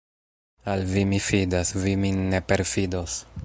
Al vi mi fidas, vi min ne perfidos!